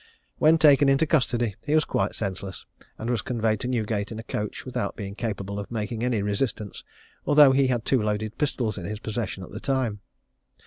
When taken into custody he was quite senseless, and was conveyed to Newgate in a coach, without being capable of making any resistance, although he had two loaded pistols in his possession at the time.